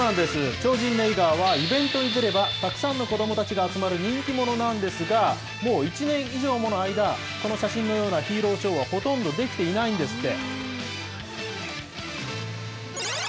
超神ネイガーは、イベントに出れば、たくさんの子どもたちが集まる人気ものなんですが、もう１年以上もの間、この写真のようなヒーローショーはほとんどできていないんですって。